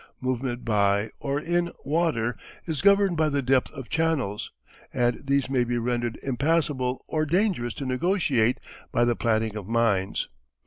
Movement by, or in, water is governed by the depth of channels, and these may be rendered impassable or dangerous to negotiate by the planting of mines.